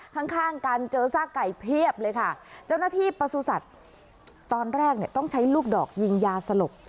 ข้างข้างกันเจอซากไก่เพียบเลยค่ะเจ้าหน้าที่ประสุทธิ์สัตว์ตอนแรกเนี่ยต้องใช้ลูกดอกยิงยาสลบ